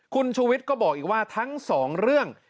คุณชูวิทย์ก็บอกอีกว่าทั้งสองเรื่อง